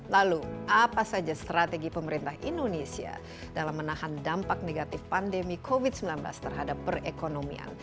lalu apa saja strategi pemerintah indonesia dalam menahan dampak negatif pandemi covid sembilan belas terhadap perekonomian